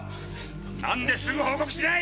何ですぐ報告しない！？